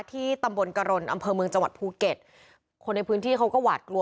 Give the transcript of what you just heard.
ที่ตำบลกรณอำเภอเมืองจังหวัดภูเก็ตคนในพื้นที่เขาก็หวาดกลัว